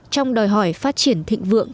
trong đòi hỏi phát triển thịnh vượng